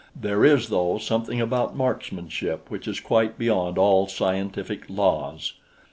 There is, though, something about marksmanship which is quite beyond all scientific laws.